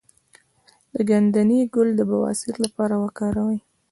د ګندنه ګل د بواسیر لپاره وکاروئ